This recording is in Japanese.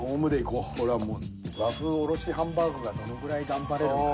これはもう和風おろしハンバーグがどのぐらい頑張れるか。